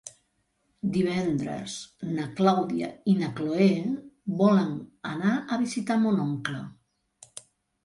Divendres na Clàudia i na Cloè volen anar a visitar mon oncle.